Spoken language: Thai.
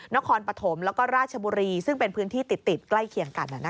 นครปฐมแล้วก็ราชบุรีซึ่งเป็นพื้นที่ติดใกล้เคียงกัน